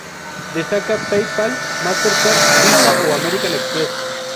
Destacan PayPal, Mastercard, Visa o American Express.